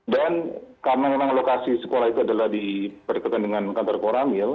dan karena memang lokasi sekolah itu adalah di perkembangan kantor koramil